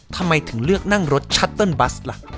ทำไมถึงเลือกนั่งรถชัตเติ้ลบัสล่ะ